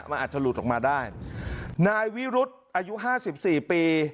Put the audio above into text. มันอาจจะหลุดออกมาได้นายวิรุฑอายุ๕๔ปี